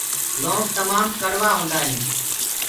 لونٚگ تمآم ڪڙوآ هوندآ هينٚ